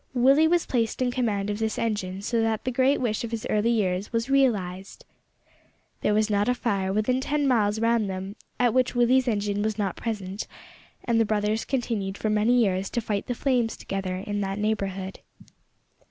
Willie was placed in command of this engine, so that the great wish of his early years was realised! There was not a fire within ten miles round them at which Willie's engine was not present; and the brothers continued for many years to fight the flames together in that neighbourhood.